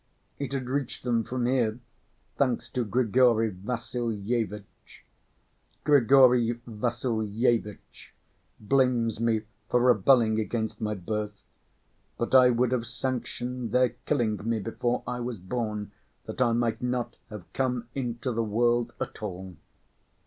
It had reached them from here, thanks to Grigory Vassilyevitch. Grigory Vassilyevitch blames me for rebelling against my birth, but I would have sanctioned their killing me before I was born that I might not have come into the world at all.